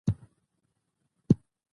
د خلکو غوښتنې د پرمختګ اشاره ده